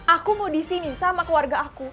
aku mau di sini sama keluarga aku